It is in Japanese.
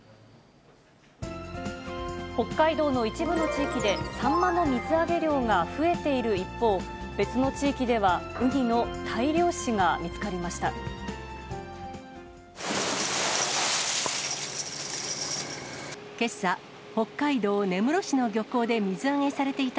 北海道の一部の地域で、サンマの水揚げ量が増えている一方、別の地域ではウニの大量死が見つかりました。